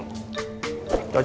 cocok banget kum ya